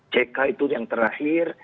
ck itu yang terakhir